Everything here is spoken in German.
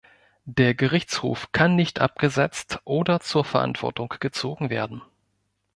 Der Gerichtshof kann nicht abgesetzt oder zur Verantwortung gezogen werden.